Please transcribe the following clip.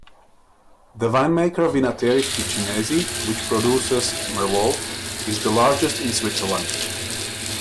The winemaker Vinattieri Ticinesi, which produces merlot, is the largest in Switzerland.